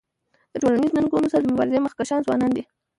د ټولنیزو ننګونو سره د مبارزی مخکښان ځوانان دي.